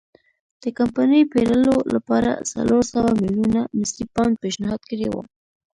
د کمپنۍ پېرلو لپاره څلور سوه میلیونه مصري پونډ پېشنهاد کړي وو.